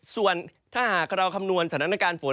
ส่วนถ้าหากเราคำนวณสถานการณ์ฝน